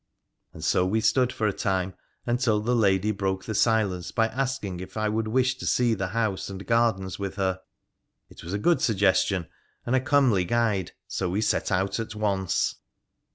And so we stood for a time, until the lady broke the silence by asking if I would wish to see the house and gardens with her ? It was a good suggestion and a comely guide, so we set out at once.